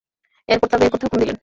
এর পর তা বের করতে হুকুম দিলেন।